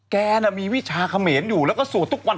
แกน่ะมีวิชาเขมรอยู่แล้วก็สวดทุกวัน